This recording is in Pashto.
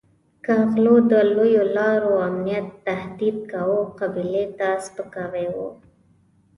که غلو د لویو لارو امنیت تهدید کاوه قبیلې ته سپکاوی وو.